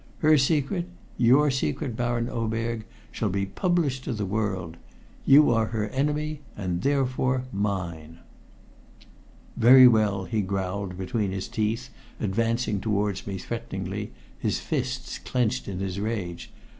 Her secret your secret, Baron Oberg shall be published to the world. You are her enemy and therefore mine!" "Very well," he growled between his teeth, advancing towards me threateningly, his fists clenched in his rage.